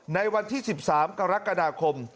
ในวันที่๑๓กรกฎาคม